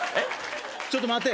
ちょっと待て。